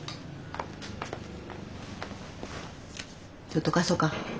ちょっと貸そか。